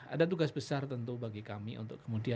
ada tugas besar tentu bagi kami